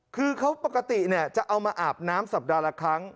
คือเขาปกติจะเอามาอาบน้ำสัปดาห์ละครั้ง